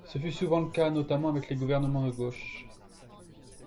Ce fut souvent le cas, notamment avec les gouvernements de gauche.